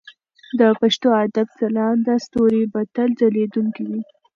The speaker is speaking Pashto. د پښتو ادب ځلانده ستوري به تل ځلېدونکي وي.